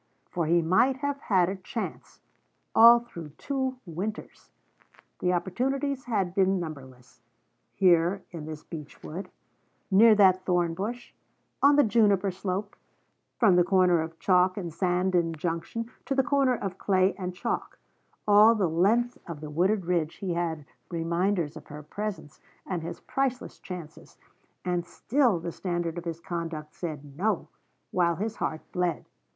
For he might have had a chance, all through two Winters. The opportunities had been numberless. Here, in this beech wood; near that thornbush; on the juniper slope; from the corner of chalk and sand in junction, to the corner of clay and chalk; all the length of the wooded ridge he had reminders of her presence and his priceless chances: and still the standard of his conduct said No, while his heart bled.